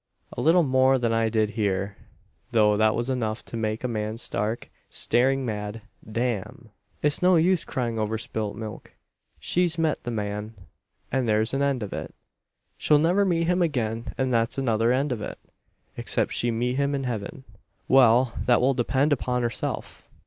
A little more than I did hear; though that was enough to make a man stark, staring mad. Damn! "It's no use crying over spilt milk. She's met the man, and there's an end of it. She'll never meet him again, and that's another end of it except she meet him in heaven. Well; that will depend upon herself.